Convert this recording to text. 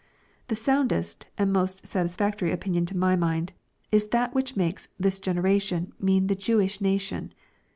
The soundest and most satisfactory opinion to my mind, is that which makes *' this generation" mean the Jewish nation.